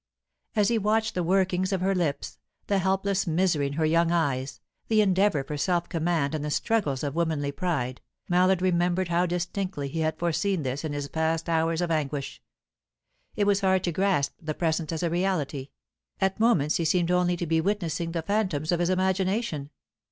As he watched the workings of her lips, the helpless misery in her young eyes, the endeavour for self command and the struggles of womanly pride, Mallard remembered how distinctly he had foreseen this in his past hours of anguish. It was hard to grasp the present as a reality; at moments he seemed only to be witnessing the phantoms of his imagination.